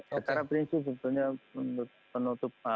secara prinsip sebetulnya